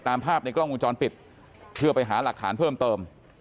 ตามภาพในกล้องวงจรปิดเพื่อไปหาหลักฐานเพิ่มเติม